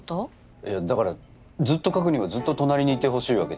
いやだからずっと書くにはずっと隣にいてほしいわけで。